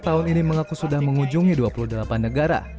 dua puluh empat tahun ini mengaku sudah mengunjungi dua puluh delapan negara